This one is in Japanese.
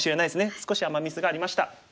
少しアマ・ミスがありました。